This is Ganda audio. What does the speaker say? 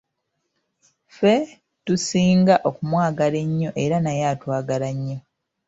Ffe, tusinga okumwagala ennyo era naye atwagala nnyo.